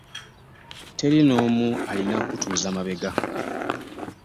Teri n'omu alina kutuzza mabega